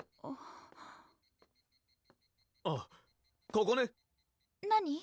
あっここね何？